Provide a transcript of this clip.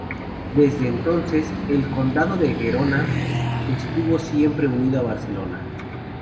Desde entonces, el condado de Gerona estuvo siempre unido al de Barcelona.